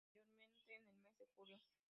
Heladas mayormente en el mes de julio.